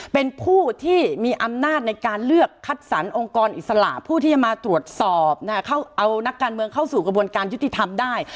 เป็นผู้ที่มีอำนาจในการเลือกคัดสรรองค์กรอิสระผู้ที่จะมาตรวจสอบเอานักการเมืองเข้าสู่กระบวนการยุติธรรมได้